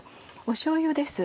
しょうゆです。